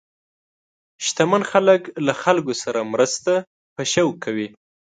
شتمن خلک له خلکو سره مرسته په شوق کوي.